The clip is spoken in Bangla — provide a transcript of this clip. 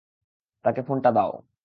তাকে ফোনটা দাও।